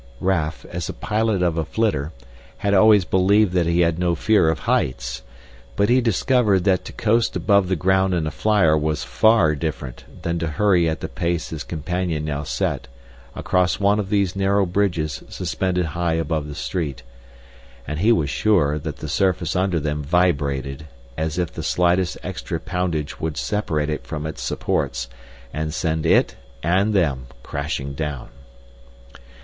Raf, as a pilot of flitter, had always believed that he had no fear of heights. But he discovered that to coast above the ground in a flyer was far different than to hurry at the pace his companion now set across one of these narrow bridges suspended high above the street. And he was sure that the surface under them vibrated as if the slightest extra poundage would separate it from its supports and send it, and them, crashing down.